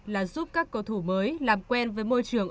là giúp các cầu thủ mới làm quen với môi trường